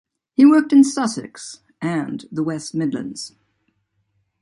He worked in Sussex and the West Midlands.